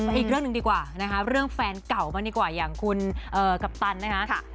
อีกเรื่องหนึ่งดีกว่านะคะเรื่องแฟนเก่ามาดีกว่าอย่างคุณกัปตันนะคะ